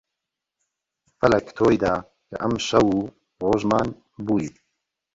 فەلەک تۆی دا کە ئەمشەو ڕۆژمان بووی